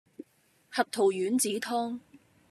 核桃丸子湯